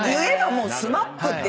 もうＳＭＡＰって。